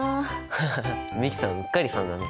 ハハハ美樹さんうっかりさんだね。